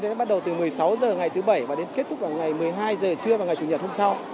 sẽ bắt đầu từ một mươi sáu h ngày thứ bảy và đến kết thúc vào ngày một mươi hai h trưa và ngày chủ nhật hôm sau